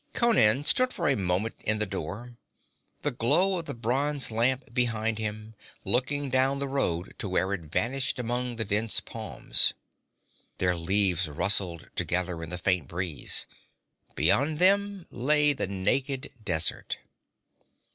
Conan stood for a moment in the door, the glow of the bronze lamp behind him, looking down the road to where it vanished among the dense palms. Their leaves rustled together in the faint breeze; beyond them lay the naked desert.